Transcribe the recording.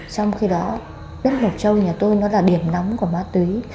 trong khi đó đất ngọc châu nhà tôi nó là điểm nóng của má túy